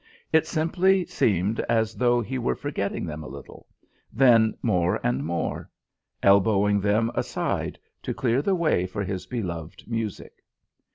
It simply seemed as though he were forgetting them a little then, more and more; elbowing them aside to clear the way for his beloved music.